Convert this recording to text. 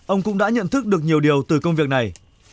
ông cũng đã nhận thức được nhiều điều từ công việc này